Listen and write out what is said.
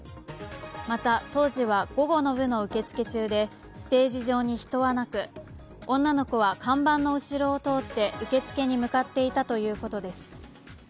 また当時は午後の部の受け付け中でステージ上に人はなく、女の子は看板の後ろを通って受付に向かっていたということです。